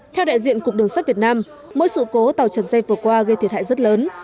theo đại diện cục đường sắt việt nam mỗi sự cố tàu trần dây vừa qua gây thiệt hại rất lớn